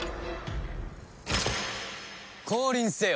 降臨せよ！